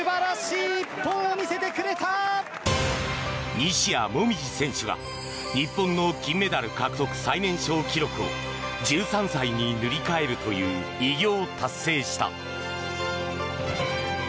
西矢椛選手が日本の金メダル獲得最年少記録を１３歳に塗り替えるという偉業を達成した。